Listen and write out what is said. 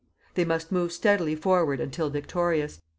They must move steadily forward until victorious.